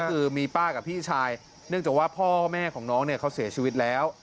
และต้องการได้พ่อแม่ของน้องเขาเสียชีวิตแล้ว